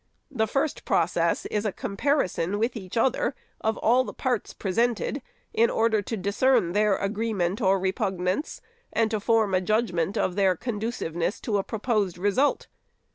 The first process is a comparison with each other of all the parts presented, in order to discern their agree ment or repugnance, and to form a judgment of their conduciveness to a proposed result.